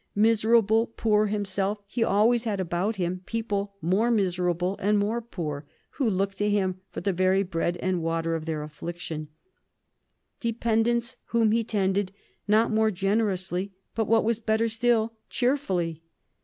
Miserably poor himself, he always had about him people more miserable and more poor, who looked to him for the very bread and water of their affliction, dependents whom he tended not merely generously, but, what was better still, cheerfully.